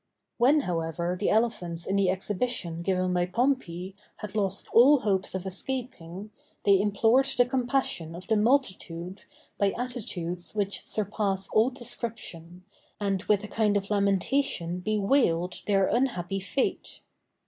When, however, the elephants in the exhibition given by Pompey had lost all hopes of escaping, they implored the compassion of the multitude by attitudes which surpass all description, and with a kind of lamentation bewailed their unhappy fate.